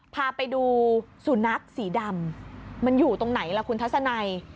พาไปดูสุนัขสีดำมันอยู่ตรงไหนล่ะคุณทัศนัย